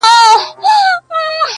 • چي لا څومره د اسمان زړه ورته ډک دی -